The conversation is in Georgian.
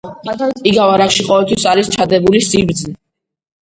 იგავ არაკში ყოველთვის არის ჩადებული სიბრძნე.